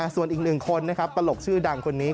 ส่วนอีกหนึ่งคนปลกชื่อดังคนนี้